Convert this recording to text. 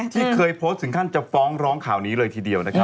ที่เคยโพสต์ถึงขั้นจะฟ้องร้องข่าวนี้เลยทีเดียวนะครับ